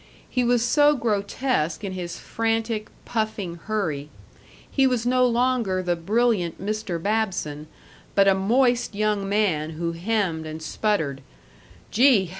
He was so grotesque in his frantic, puffing hurry. He was no longer the brilliant Mr. Babson, but a moist young man who hemmed and sputtered, "Gee!